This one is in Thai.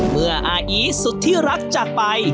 เมื่ออาอีสุดที่รักจากไป